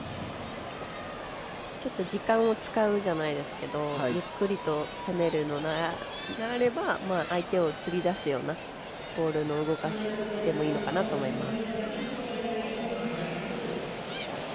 ちょっと時間を使うじゃないですけどゆっくりと攻めるのであれば相手をつり出すようなボール動かしてもいいのかなと思います。